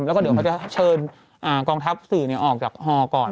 แล้วก็เดี๋ยวเขาจะเชิญกองทัพสื่อออกจากฮก่อน